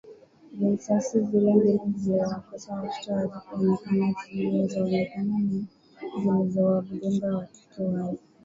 Risasi zile mbili zilizowakosa Watoto hazikuonekana zilizoonekana ni zile zilizowadungua wale Watoto